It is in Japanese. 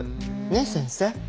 ねえ先生。